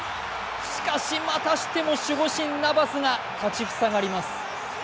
しかし、またしても守護神・ナバスが立ちふさがります。